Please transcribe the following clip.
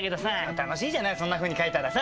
楽しいじゃないそんなふうに書いたらさ。